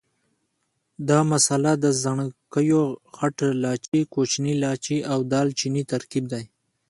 دا مساله د ځڼکیو، غټ لاچي، کوچني لاچي او دال چیني ترکیب دی.